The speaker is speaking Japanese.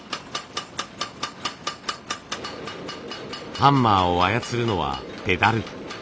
ハンマーを操るのはペダル。